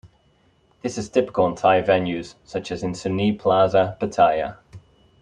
This is typical in Thai venues, such as in Sunee Plaza, Pattaya.